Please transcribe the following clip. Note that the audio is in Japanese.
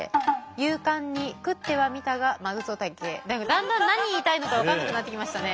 だんだん何言いたいのか分かんなくなってきましたね。